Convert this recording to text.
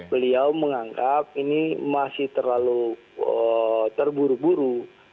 beliau menganggap ini masih terlalu terburu buru